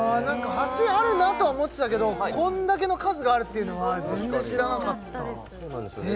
橋あるなとは思ってたけどこんだけの数があるっていうのは全然知らなかったそうなんですよね